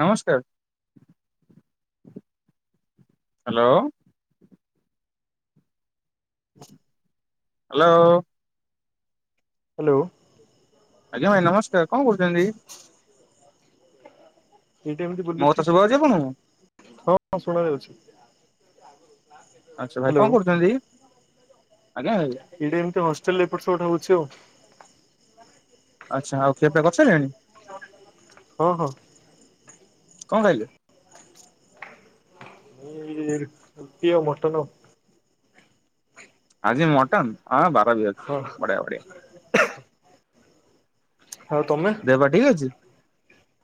ନମସ୍କାର hello. [inaudible] Hello. Hello. ଆଜ୍ଞା ଭାଇ ନମସ୍କାର କଣ କହୁଛନ୍ତି? ଏଟି ଏମିତି ମୋ କଥା ବୁଲୁଛି ଶୁଭା ଯାଉଛି ଆପଣଙ୍କୁ? ହଁ ଶୁଣା ଯାଉଛି। ଆଚଛା ଭାଇ ହ୍ୟାଲୋ କଣ କରୁଛନ୍ତି ଆଜ୍ଞା ଭାଇ। ଏଇଟି ଏମତି ହଷ୍ଟେଲରେ ଏପଟ ସେପଟ ହଉଛି ଆଉ। ଆଚ୍ଛା ଆଉ ଖିଆ ପିଆ କରି ସାରିଲେଣି। ହଁ ହଁ। କଣ ଖାଇଲେ? ଏ ରୁଟି ଆଉ ମଟନ ଆଉ। ଆଜି ମଟନ ହଁ ବାର ବି ଅଛି ହଁ ବଢିଆ ବଢିଆ। ଆଉ ତମେ ଦେହ ପା ଠିକ ଅଛି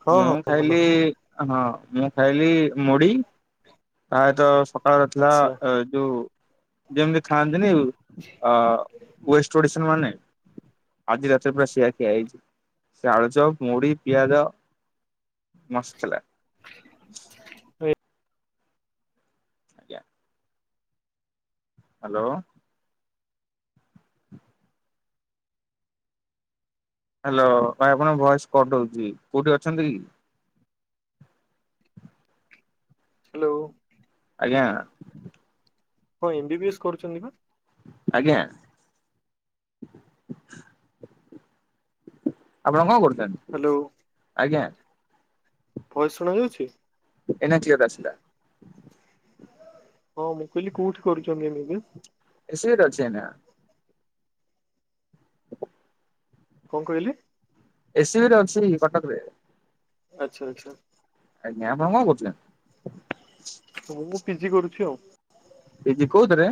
ହଁ ମୁଁ ହଁ ଭଲ ଖାଇଲି ହଁ ମୁଁ ଖାଇଲି ମୁଢି ତାପରେତ ସକାଳ ଥିଲା ଆଚ୍ଛା ଯୋଉ ଯେମିତି ଖାଆନ୍ତିନି ୱେଷ୍ଟ ଓଡିଶନ୍ ମାନେ। ଆଜି ରାତିରେ ପୁରା ସେଆ ଖିଆହେଇଛି। ସେ ଆଳୁଚପ ମୁଢି ପିଆଜ ମସ୍ତ୍ ଲାଗେ। ଆଜ୍ଞା। ହ୍ୟାଲୋ। ହ୍ୟାଲୋ ଭାଇ ଆପଣଙ୍କ ଭଏସ କଟୁଚି କୋଉଠି ଅଛନ୍ତି କି? ହ୍ୟାଲୋ। ଆଜ୍ଞା। ହଁ ଏମ୍ ବି ବି ଏସ୍ କରୁଛନ୍ତି ନା। ଆଜ୍ଞା। ଆପଣ କଣ କରୁଛନ୍ତି? ହ୍ୟାଲୋ। ଆଜ୍ଞା। ଭଏସ ଶୁଣା ଯାଉଛି ଏଇନା କ୍ଲିୟର ଆସିଲା। [unintelligible] ହଁ ମୁଁ କହିଲି କୋଉଠି କରୁଛନ୍ତି M B B S A C B ରେ ଅଛି ଏନା। କଣ କହିଲେ। ଏସ୍ ସି ବି ରେ ଅଛି କଟକ ରେ। ଆଚ୍ଛା ଆଚ୍ଛା। ଆଜ୍ଞା ଆପଣ କଣ କରୁଛନ୍ତି? ହ ମୁଁ ପିଜି କରୁଛି ଆଉ। ପି ଜି କୋଉଥିରେ।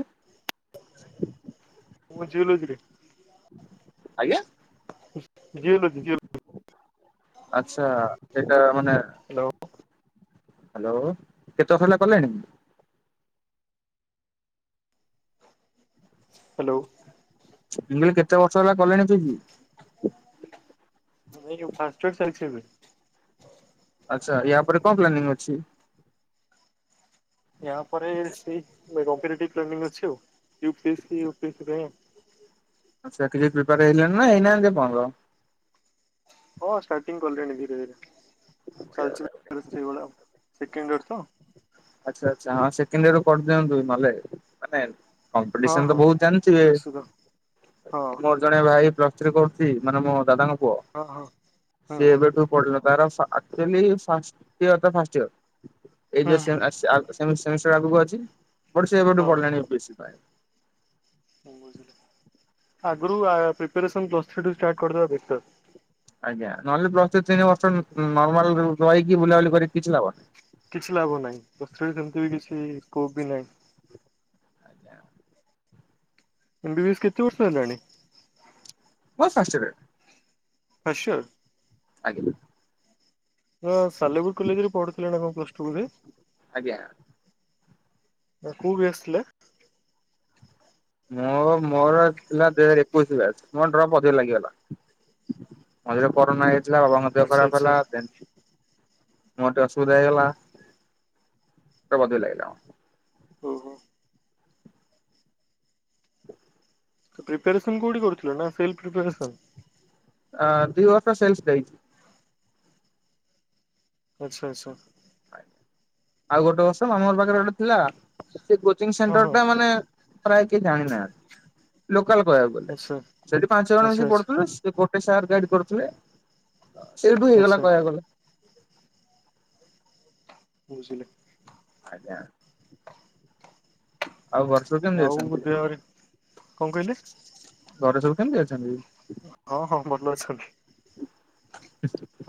ମୁଁ ଜୁଲୋଜି ରେ। ଆଜ୍ଞା। ଜି ଜିଓଲୋଜି ଜିଓ। ଆଛା ଏଟା ମାନେ। ହ୍ୟାଲୋ। ହ୍ୟାଲୋ କେତେ ସ [unintelligible] ଲା କଲେଣି ହ୍ୟାଲୋ। ମୁଁ କହିଲି କେତେ ବର୍ଷ ହେଲା କଲେଣି ତୁ କି [unintelligible] ଆଚ୍ଛା ୟା ପରେ କଣ ପ୍ଲାନିଂ ଅଛି। ଏହାୟ ପରେ ସେଇ [unintelligible] ଅଛି ଆଉ। U P S C U P S C ପାଇଁ ଆଉ। [unintelligible] ପ୍ରିପାର ହେଲେଣି ନା ହେଇନାହାନ୍ତି ଆପଣର। ହଁ ଷ୍ଟାର୍ଟିଂ କଲିଣି ଧୀରେ ଧୀରେ ଚାଲିଛି [unintelligible] ସେଇଭଳିଆ ସେକେଣ୍ଡ ଇଅର୍ ତ। ଆଚ୍ଛା ଆଚ୍ଛା ହଁ ସେକେଣ୍ଡ ଇଅର୍ କରିଦିଅନ୍ତୁ ନହେଲେ ମାନେ ହଁ କମ୍ପିଟିସନ ତ ହଁ ବହୁତ ଜାଣିଥିବେ ନିଶ୍ଚିତ ହଁ ମୋ ଜଣେ ଭାଇ ପ୍ଲସ୍ ଥ୍ରୀ କରୁଛି ମାନେ ମୋ ଦାଦାଙ୍କ ପୁଅ ହଁ ହଁ ହୁଁ ସିଏ ଏବେଠୁ [unintelligible] ତାର ଆକଚୁଆଲି [unintelligible] ଫାର୍ଷ୍ଟ ଇଅର ହୁଁ ଏଇ ହୁଁ ସେ ସେମି ସେମିଷ୍ଟର ଆଗକୁ ଅଛି ବଟ ସେ ଏପଟଠୁ ହଁ ପଢିଲାଣିି ୟୁ ପି ଏସ୍ ସି ପାଇଁ। [inaudible] ଆଗରୁ ଆ ପ୍ରିପାରେସନ୍ ପ୍ଲସ୍ ଥ୍ରୀ ଠୁ ଷ୍ଟାର୍ଟ କରିଦେବା ଵେଟର- ଆଜ୍ଞା ନହେଲେ ପ୍ଲସ୍ ଥ୍ରି ତିନି ବର୍ଷ ନ ନର୍ମାଲ କରିକି ବୁଲାବୁଲି କରିକି କିଛି ଲାଭ ନାହିଁ। କିଛି ଲାଭ ନାହିଁ ପ୍ଲସ ଥ୍ରି ରେ ସେମିତି ବି କିଛି ସ୍କୋପ ବି ନାହିଁ। ଏମ୍ ବି ବି ଏସ୍ କେତେ ବର୍ଷ ହେଲାଣି? [unintelligible] [unintelligible] ଅଜ୍ଞା। ହଁ ସାଲେପୁର କଲେଜରେ ପଢୁଥିଲ ନା କଣ ପ୍ଲସ ଟୁ ରେ? ଆଜ୍ଞା। ଆ କୋଉ ବ୍ୟାଚ ଥିଲା? ମୋ ମୋର ଥିଲା ଦୁଇ ହଜାର ଏକୋଇଶ ବ୍ୟାଚ୍ ମୋ ଡ୍ରପ୍ ଅଧିକ ଲାଗିଗଲା। ମଝିରେ କରୋନା ହେଇ ଯାଇଥିଲା ବାବାଙ୍କ ଦେହ ଆଚ୍ଛା ଖରାପ ଆଚ୍ଛା ହେଲା ଦେନ୍ ମୋର୍ ଟେ ଅସୁବିଧା ହେଇଗଲା [unintelligible] ହୁଁ ହୁଁ। ପ୍ରିପସନ୍ କୋଉଠି କରୁଥିଲ ନା ସେ ପ୍ରିପସନ୍ ଅ ଦିଇ ବର୍ଷ ସେନ୍ସ ଦେଇଛି। ଆଚ୍ଛା ଆଚ୍ଛା। ଆଉ ଗୋଟେ ବର୍ଷ ମାମୁଁ ହର ପାଖରେ ଗୋଟେ ଥିଲା ସେ କୋଚିଂ ହଁ ସେଣ୍ଟର ହଁ ଟା ମାନେ ପ୍ରାୟ କେହି ଜାଣି ନାହାଁନ୍ତି ଲୋକାଲ କହିବାକୁ ଗଲେ ଆଚ୍ଛା। ସେଠି ପାଞ୍ଚ ଜଣ ଆଚ୍ଛା ମିସି ଆଚ୍ଛା ପଢୁଥିଲେ ସି ସେ ଗୋଟେ ସାର୍ ଗାଇଡ କରୁଥିଲେ ସେଫ୍ ବି ହେଇଗଲା ଆଚ୍ଛା କହିବାକୁ ଗଲେ। ବୁଝିଲେ? ଆଜ୍ଞା। ଆଉ ବର୍ଷ ଆଉ ଦେହରେ କଣ କହିଲେ? ଘରେ ସବୁ କେମିତି ଅଛନ୍ତି? ହଁ ହଁ ଭଲ ଅଛନ୍ତି।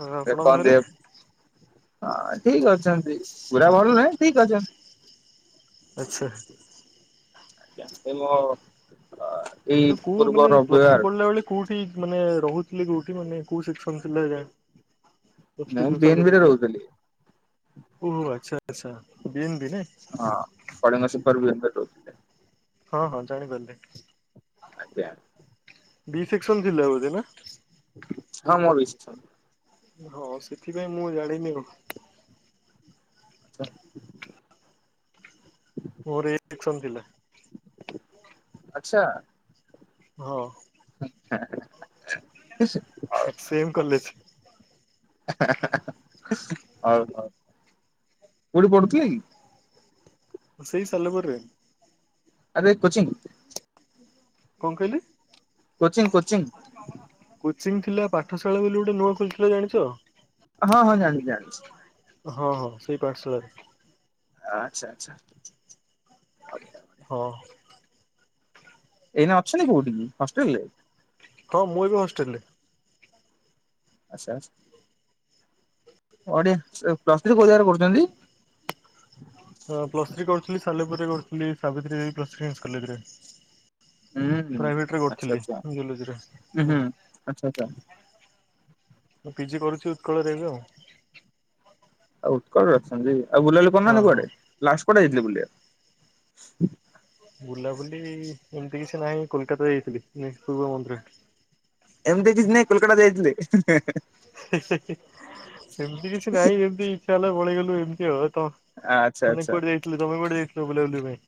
ଆଉ ଆପଣଙ୍କ ଘରେ? ହଁ ଠିକ୍ ଅଛନ୍ତି ପୁରା ଭଲ ନହେଁ ଠିକ୍ ଅଛ ଆଚ୍ଛା। ଆଜ୍ଞା ଏ ମୋ ଆ ତ ଏଇ କୋଉ ମାନେ ପୂର୍ବ ପ୍ଲସ ଟୁ ରବିବାର ପଢିଲା ବେଳେ କୋଉଠି ମାନେ ରହୁଥିଲେ କୋଉଠି ମାନେ କୋଉ ସେସନ୍ ଥିଲା ରାଙ୍କ? ମୁଁ [unintelligible] ବିଏନବିରେ ଥିଲେ ରହୁଥିଲି ଓହୋ ଆଚ୍ଛା ଆଚ୍ଛା ବି ଏମ ବି ନୁହେଁ? ହଁ ପଳିଙ୍ଗ ସିପର୍ ବି ଏମ ବି ରହୁଥିଲେ। ହଁ ହଁ ଜାଣିପାରିଲି। ଆଜ୍ଞା। ବି ସେକ୍ସନ ଥିଲା ବୋଧେ ନା? ହଁ ମୋର ବି ସେକ୍ସନ। ହଁ ସେଥିପାଇଁ ମୁଁ ଜାଣିନି ଆଉ। ଆଚ୍ଛା। ମୋର ଏ ସେକ୍ସନ ଥିଲା। ଆଚ୍ଛା। ହଁ। ସେମ୍ କଲେଜ [unintelligible] ହଉ ହଉ କଉଠି ପଢୁଥିଲେ କି? ସେଇ ସାଲେପୁରରେ। ଆରେ କୋଚିଂ କଣ କହିଲେ? Coaching coaching. କୋଚିଂ ଥିଲା ପାଠଶାଳା ବୋଲି ଗୋଟେ ନୂଆ ଖୋଲିଥିଲା ଜାଣିଛ? ହଁ ହଁ ଜାଣି ଜାଣିଛି। ହଁ ହଁ ସେଇ ପାଠଶାଳାରେ। ଆଚ୍ଛା ଆଚ୍ଛା। ବଢିଆ। ହଁ। ଏଇନେ ଅଛନ୍ତି କୋଉଠି ହଷ୍ଟେଲ ରେ? ହଁ ମୁଁ ଏବେ ହଷ୍ଟେଲ ରେ। ଆଚ୍ଛା ଆଚ୍ଛା ବଢିଆ ଏ ପ୍ଲଥ୍ରୀ କୋଉ ଜାଗାରେ କରୁଛନ୍ତି? ହଁ ପ୍ଲସ ଥ୍ରୀ କରୁଥିଲି ସାଲେପୁରରେ କରୁଥିଲି ସାବିତ୍ରୀ ପ୍ଲସ [unintelligible] କଲେଜ ରେ। ହୁଁ ହୁଁ ପ୍ରାଇଭେଟ ରେ ଆଚ୍ଛା କରୁଥିଲି ଆଚ୍ଛା ଜିଓଲୋଜିରେ ହୁଁ ହଁ। ହୁଁ। ଆଚ୍ଛା ଆଚ୍ଛା। ମୁଁ ପିଜି କରୁଛି ଉତ୍କଳରେ ଏବେ ଆଉ। ଆଉ ଉତ୍କଳ ଅଛନ୍ତି ଆଉ ବୁଲା ବୁଲି ହଁ କରନାହାନ୍ତି ହଁ। କୁଆଡେ ଲାଷ୍ଟ କୁଆଡେ ଯାଇଥିଲେ ବୁଲିବାକୁ? ବୁଲାବୁଲି ଏମିତି କିଛି ନାହିଁ କୋଲକାତା ଯାଇଥିଲି ପୂର୍ବ ମନ୍ଦିର। ଏମିତି କିଛି ନାାଇଁ କୋଲକାତା ଯାଇଥିଲେି। ସେମତି କିଛି ନହିଁ ଏମତି ଇଚଛା ହେଲା ବଳେଇଗଲୁ ଏମିତି ହବ ତ। ଆଚ୍ଛା ମାନେ ଆଚ୍ଛା। କୋଠେ ଯାଇଥିଲୁ ତମେ କୋଠେ ଯାଇଥିଲ ବଲେ।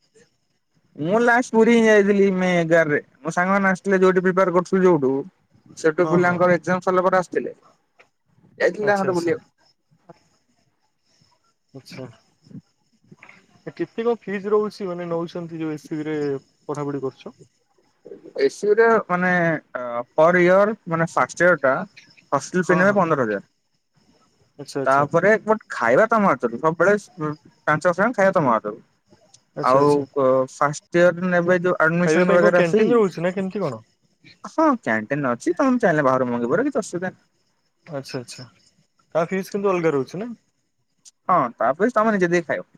ମୁଁ ଲାଷ୍ଟ ପୁରୀ ହି ଯାଇଥିଲି ମ ଏଗାରରେ। ମୋ ସାଙ୍ଗମାନୋନ ଆସିଥିଲେ ଯୋଉଠି ପ୍ରିାର କରୁଥିଲୁ ଯୋଉଠୁ। ସେଠୁ ହଁ ହଁ। ପିଲାଙ୍କର ଏକଜାମ ସାରଲା ପରେ ଆସିଥିଲେ ଯାଇଥିଲେ ଆଚ୍ଛା ତାଙ୍ଗ ଆଚ୍ଛା ବୁଲିବାକୁ। ଆଚ୍ଛା। କେତେକଣ ଫିଜ ରହୁଛି ମାନେ ନଉଛନ୍ତି ଯୋଉ ଏସ ସି ବି ରେ ପଢା ପଢି କରୁଛ? [unintelligible] ମାନେ ଇର ମାନେ ଫ ଇର ଟା। ହେଲ ଫି ହଁ ନେବେ ହଁ। ପନ୍ଦର ହଜାର ଆଚ୍ଛା ଆଚ୍ଛା ତାପରେଟ ଖାଇବା ତମ ହାତରୁ ସବୁବେଳେ ପାଞ୍ଚ ସମୟା ଖାଇବା ତମ ହାତରୁ। ଆଚ୍ଛା ଆଉ ଆଚ୍ଛା ଫାଷ୍ଟିଆର ଇର ନେବେ ଯୋଉ ଆଡମିନ। [unintelligible] ହଉଛି ନା କେମିତି କଣ? ହଁ କ୍ୟାଣ୍ଟିନ ଅଛି ତମେ ଚାହିଁଲେ ବାହାରୁ ମଗେଇ ପାରିବ କିଛି ଅଅୁବିଧା ନାହ୍ନି। ଆଚ୍ଛା ଆଛା ତା ଫିସ୍ କିନ୍ତୁ ନାହିଁ। ଅଲଗା ରହୁଛି ନା? ହଁ ତା ଫିସ ତମେ ନିଜେ ଦେଇ କି ଖାଇବ।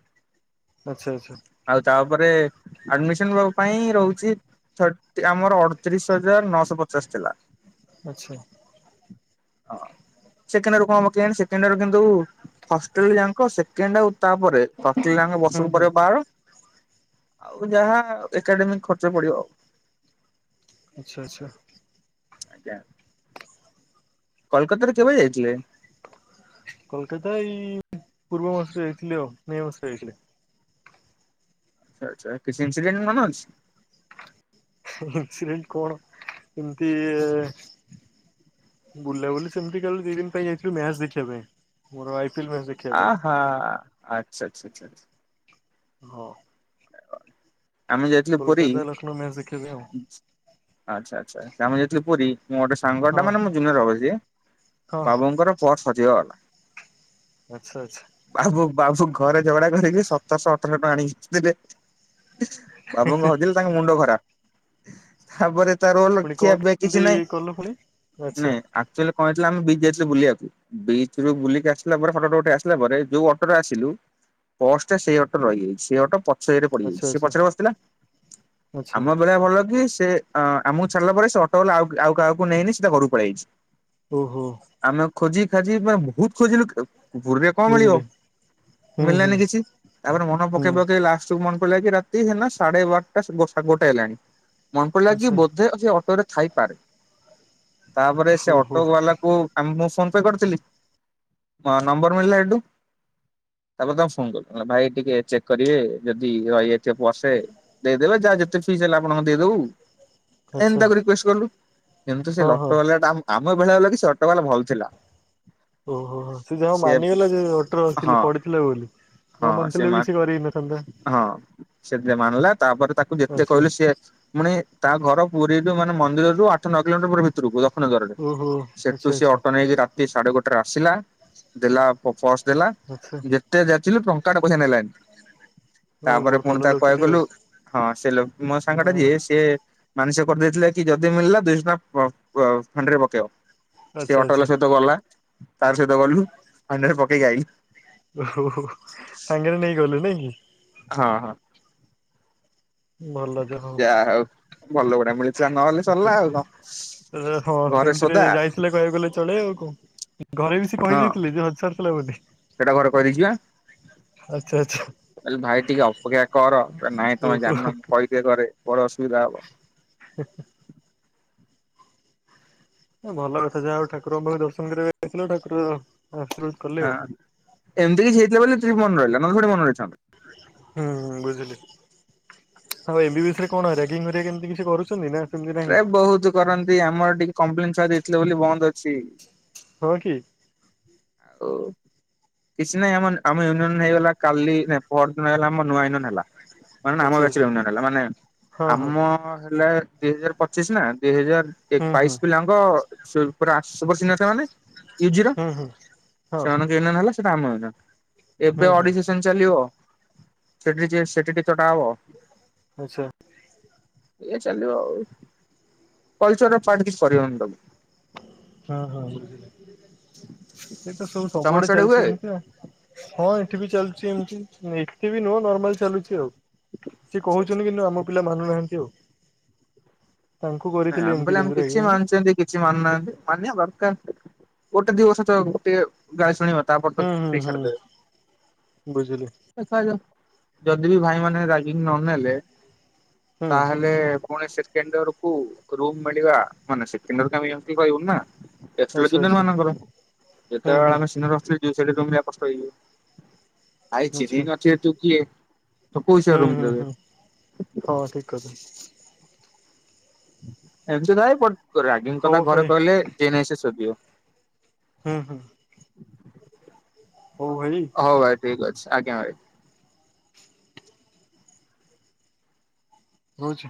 ଆଚ୍ଛା ଆଚ୍ଛା। ଆଉ ତାପରେ ଆଡମିସନ ପାଇଁ ରହୁଛି। ଆମର ଅଠତିରିଶ ହଜାର ନଅଶହ ପଚାଶ ଥିଲା। ଆଛା। ସେକେଣ୍ଡ କଣ ହବ କେଜାଣି ସେକେଣ୍ଡ କିନ୍ତୁ ସଟ ଯାଙ୍କ ସେକେଣ୍ଡ ଆଉ ତାପରେ ସଟୀ ଯାଙ୍କ ହୁଁ ବସକୁ ହୁଁ ପରେ ବାର। ଆଉ ଯାହା ଏକାଡେମିକ ଖର୍ଚ୍ଚ ପଡିବ ଆଉ। ଆଚ୍ଛା ଆଚ୍ଛା। ଆଜ୍ଞା। କୋଲକାତ କେବେ ଯାଇଥିଲେ? କୋଲକାତା ଏଇ ପୂର୍ବ ମାସରେ ଯାଇଥିଲେ ଆଉ ମେ ମାସ ଯାଇଥିଲେ। ଆ ଆଛା କିଛି ଇନସସିଡେଟ ମନେ ଅଛି? [inaudible] କଣ ଏମିତି ଏ ବୁଲା ବୁଲି ସେମିତି କେବଳ ଦି ଦିନ ପାଇଁ ଯାଇଥିଲୁ ମ୍ୟାଚ ଦେଖିବା ପାଇଁ। ମୋରଇ [unintelligible] ଆ ହା ଆଛା, ଆଛ, ଆଛା। ହଁ। ଆମେ ଯାଇଥିଲୁ ପୁରୀ କୋଲକାତା ଲକ୍ଷ୍ନୌ ମ୍ୟାଚ୍ ଦେଖିବା ପାଇଁ ଆଉ। ଆଛା ଆ୍ଛା ଆମେ ଯାଇଥିଲି ପୁରୀ ମୋ ଗୋଟେ ସାଙ୍ଗ ଟା ହଁ ମାନେ ମୁଁ ଜୁନିୟର ହବ ସିଏ ହଁ ହଁ ବାବୁଙ୍କର ପର୍ସ ହଜି ଗଲା। ଆଚ୍ଛା ଆଚ୍ଛା। ବାବୁ ବାବୁ ଘରେ ଝଗଡା କରିକି ସତରଶହ ଅଠରଶହ ଟଙ୍କା ଆଣିକିଥିଲେ। ବାବୁଙ୍କ ହଜିଲ ତାଙ୍କ ମୁଣ୍ଡ ଖରାପ। ତାପରେ ତାର ପୁଣି କଣ ଅଲଖିଆ କିଛି କେମିତି ନାଇଁ କଲ ପୁଣି? ଆଚ୍ଛା ନାଇଁ। କଣ ହେଥିଲା ବିଦେଶ ବୁଲିବାକୁ। ବିଚ ରୁ ବୁଲିକି ଆସିଲା ପରେ ଫଟୋଟଠ ଆସିଲା ପରେ ଯୋଉ ଅଟୋରେ ଆସିଲୁ ପର୍ଷ ସେଇ ଅଟୋ ରହିଯାଇଛି। ସେ ଅଟୋ। ଶରେ ଆଚ୍ଛା ପଡିଯାଇଛି ସେ ଆଚ୍ଛା ପଛରେ ବସିଥିଲା, ଆଚ୍ଛା ଆମ ବେଳେ ଭଲ କି ସେ ଅଁ ଆମକୁ ଛଡ଼ିଲା ପରେ ସେ ଅଟୋ ହେଲା ଆଉ ଆଉ କାହାକୁ ନେଇନି ସେଟ ଘରୁ ପଳେଇାଇଛି। ଓ ହୋ। ଆମେ ଖୋଜି ଖାଜିେ ବହୁତ ଖୋଜିଲୁ ତାକୁ। କଁ ମିଳିବ? ବୁଝିଲି ହୁଁ ହୁଁ ମିଳିଲାନି କିଛି ତାପରେ ମନ ହୁଁ ପକେଇ ପକେଇ ଲାଷ୍ଟକୁ ମନ୍ ପଇଲା କି ରାତି ହେ ନା ସାଢେ ବାରଟା ସା ଗୋଟ୍ ସା ଗୋଟେ ହେଲାଣି। ମନ ପଡ଼ିଲା କି ଆଚ୍ଛା ବୋଧେ ସେ ଅଟୋ ରେ ଥାଇପାରେ। ତାପରେ ସେ ଓହୋ ଅଟୋ ବାଲା ପୁ ଆମ୍ ମୁଁ ଫୋନ ପେ କରିଥିଲି ଆଁ ନମ୍ବର ମିଳିଲା ହେଠୁ ତାପରେ ତମେ ଫୋନ କରିଥିଲ। ଭାଇ ଟିକେ ଚେକ୍ କରିବେ ଯଦି [unintelligible] ର ଇଏ ଏଠେ ବସେ ଦେଇଦେବେ ଯାହା ଯେତେ ଫିସ୍ ହେଲା ଆପଣଙ୍କ ଦେଇଦବୁ। ଏମତି ଆଚ୍ଛା ତାକୁ ରିକ୍ୱେଷ୍ଟ କଲୁ, କିନ୍ତୁ ସେ ହଁ ହଁ ଲଟୋ ବାଲା ଟା ଆମ୍ ଆମ ବେଳିଆ ଲକି ସେ ଅଟୋବାଲା ଭଲ ଥିଲା। ଓହୋ ହୋ ସେ ଯାହାହଉ ମାନିଗଲା ଯେ ଅଟର ହଁ ଥିଲି ପଡିଥିଲା ବୋଲି। ହଁ ନ ସେ ମାନିଥିଲେ ମା ବି କିଛି କରି ହେଇ ନ ଥାନ୍ତା। ହଁ ସେଥିରେ ମାନିଲା ତାପରେ ତାକୁ ଯେତେ ଆଚ୍ଛା କହିଲେ ସିଏ ପୁଣି ତା ଘର ପୁରୀରୁ ମାନେ ମନ୍ଦିରରୁ ଆଠ ନଅ କିଲୋମିଟର ପୁରା ଭିତ୍ ଭିତୁରୁକୁ ଦକ୍ଷିଣ ଓହୋ ଦ୍ୱାରରୁ ଆଚ୍ଛା ସେଠୁ ସେ ଆଚ୍ଛା ଅଟୋ ନେଇକି ରାତ୍ ତି ସାଢ଼େ ଗୋଟେରେ ଆସିଲା ଦେଲା ପ-ପର୍ସ ଦେଲା। ଆଚ୍ଛା। ଯେତେ ଯାଚିଲି ଟଙ୍କା ଟେ ପଇସା ନେଲାନି। ହଁ ତାପରେ ବହୁତ ପୁଣି ଭଲ ତା କୁ କହିଆକୁ ଲୋକଟି ଗଲୁ ଆଉ ହଁ ସେ ଲୋକ୍ ମୋ ସାଙ୍ଗ ହଁ ଟା ଯିଏ ସିଏ ମାନସିକ କରିଦେଇଥିଲା କି ଯଦି ମିଳିଲା ଦୁଇ ଶହ ଟଙ୍କା ପ-ପ ଫାଣ୍ଡିରେ ପକେଇବ। ସେ ଆଚ୍ଛା ଆଚ୍ଛା ଅଟୋବାଲା ସହିତ ଗଲା ତାର ସହିତ ଗଲୁ ପାଣିରେ ପକେଇକି ଆଇଲି। ଓ ହୋ ହୋ ସାଙ୍ଗେରେ ନେଇ ଗଲୁ ନାଇଁ କି? ହଁ ହଁ। ଭଲ। ଯା ଯାହା ହଉ ଭଲ ଗୁଡ଼ା ମିଳି କହିଲେ ହଁ ଘରେ ସେମିତିରେ ସୋଦା ଯାଇଥିଲେ କହିଆକୁ ଗଲେ ଚଳେ ଆଉ କଁ? ଘରେ ବି ସି ହଁ କହିଦେଇଥିଲେ ଯେ ହଜାର ଥିଲା ବୋଲି। ସେଇଟା ଘରେ କହିଦେଇକି ଆଚ୍ଛା ଆଚ୍ଛା। ହେଲେ ଭାଇ ଟିକେ ଅପେକ୍ଷା କର କହିଲା ନାଇଁ ତମେ ଓହୋ। ଜାଣିନ ମୁଁ କହି ଇଏ କରେ ବଡ଼ ଅସୁବିଧା ହବ। ହେଁ ହେ। ଭଲ କଥା ଯାହା ଆଉ ଠାକୁରଙ୍କ ପାଖରେ ଦର୍ଶନ କରିଆକୁ ଯାଇଥିଲେ ଠାକୁର ଆସିଲେ। ହଁ ଏମତି କିଛି ହେଇଥିଲା ବୋଲି ଟ୍ରିପ୍ ମନେ ରହିଲା ନ ହେଲେ ଥୋଡ଼େ ମନେ ରହିଥାନ୍ତା। ହୁଁ ଉଁ ବୁଝିଲି। ଆଉ ଏବି ବିଷୟରେ କଣ ରେଗିଙ୍ଗ ଘରିକା କେମତି କିଛି କରୁଛନ୍ତି ନା ସେମିତି ନାହିଁ ଆରେ ବହୁତ୍ କରନ୍ତି ଆମର ଟିକେ କମ୍ପ୍ଲେନ ଛୁଆ ଦେଇଥିଲେ ବୋଲି ବନ୍ଦ ଅଛି। ହଁ କି? ହଉ କିଛି ନାଇଁ ଆମନ୍ ଆମ ୟୁନିୟନ ହେଇଗଲା କାଲି ନାଇଁ ପହର ଦିନ ହେଲା ଆମ ନୂଆ ୟୁନିଅନ ହେଲା। ମାନେ ନା ଆମ ଆଚ୍ଛା ବ୍ୟାଚ୍ ର ଆଚ୍ଛା ୟୁନିଅନ ହେଲା ମାନେ ହଁ ହଁ ଆମ ହେଲା ଦୁଇ ହଜାର ପଚିଶ ନା ଦୁଇ ହଜାର ଏ ହୁଁ ହୁଁ ବାଇଶ୍ ପିଲାଙ୍କ ସେ ପୁରା ଆଶି ପର୍ସେଣ୍ଟ ନଥିଲା ମାନେ ୟୁଜିର ହୁଁ ହୁଁ ହଁ ସେମାନଙ୍କ ୟୁନିଅନ ହେଲା ସେଟା ଆମ ୟୁନିଅନ ଏବେ ହୁଁ ହୁଁ ଅଡ଼ିସିସ୍ [unintelligible] ଚାଲିବ ସେଠି ଯିଏ ସେଟିଟି ଚଡ଼ା ହବ। ଆଚ୍ଛା। ଇଏ ଚାଲିବ ଆଉ। କଲଚର୍ ର ପାର୍ଟ କିଛି କରିହବନି ତାକୁ। ହଁ ହଁ ଇଏ ତ ସବୁ ସବୁ ତମର ଆଡ଼େ ସିଆଡେ ହୁଏ? ଚାଲିଛି ଏମିତିଆ। ହଁ ଏଠି ବି ଚାଲୁଛି ଏମିତି ଏତେ ବି ନୁହଁ ନର୍ମାଲ ଚାଲୁଛି ଆଉ। ସେ ଆଚ୍ଛା ଆଚ୍ଛା। କହୁଛନ୍ତି କିନ୍ତୁ ଆମ ପିଲା ମାନୁନାହାନ୍ତି ଆଉ। ତାଙ୍କୁ ନାଇଁ କରିଥିଲେ ଆମେ ଏମତି କହିଲେ ଆମେ କେମତି କିଛି ରହି [unintelligible] ମାନୁଛନ୍ତି କିଛି ମାନୁନାହାଁନ୍ତି ମାନିବା ଦରକାର ଗୋଟେ ଦିବର୍ଷ ଚ ଟିକେ ଗାଳି ଶୁଣିବ ତାପରଠୁ ହୁଁ ହୁଁ ହୁଁ ବୁଝିଲି। ଦେଖାଜାଉ ଯଦି ବି ଭାଇମାନେ ରାଗିକି ନନେଲେ ହୁଁ ତାହେଲେ ପୁଣି ସେକେଣ୍ଡ ଇଅରକୁ ରୁମ୍ ମିଳିବା ମାନେ ସେକେଣ୍ଡ ଇୟରକୁ ଆମେ ଏମିତି କଇବୁନିନା। ଏ ତ ଥିଲା ଆଚ୍ଛା ଜୁନିଅର୍ ଆଚ୍ଛା ମାନଙ୍କର ହୁଁ ଯେତେବେଳେ ହୁଁ ଆମେ ସିନିଅର ହଷ୍ଟେଲ ଯିବୁ ସେଠିତ ରୁମ ମିଳିଆ କଷ୍ଟକର ହେଇଯିବ। ଆାଇ ଛିହ୍ନି ଆଚ୍ଛା। ନଥିବେ ତୁ କିଏ ତ ହୁଁ କୋଉହିସାବରେ ରୁମ ହୁଁ ହୁଁ ଦେବେ। ହଁ ହଁ ଠିକ କଥା। ହେମିତି ନାଇଁ ବଟ ରାଗିଙ୍ଗ ହଉ କଥା ଭାଇ ଘରେ କହିଲେ ଜିଏ ନାଇଁ ସିଏ ସୋଦିବ। ହୁଁ ହୁଁ। ହଉ ଭାଇ। ହଉ ଭାଇ ଠିକ୍ ଅଛି ଆଜ୍ଞା ଭାଇ। ରହୁଛି।